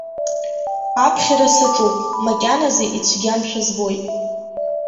Аԥхьара саҿуп, макьаназы ицәгьамшәа збоит.